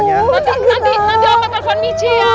nanti nanti aku akan telepon michi ya